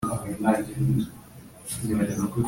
mwibuke ko iyi miryango ikomoka hamwe